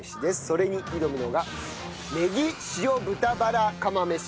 それに挑むのがネギ塩豚バラ釜飯。